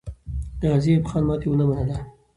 غازي ایوب خان ماتې ونه منله.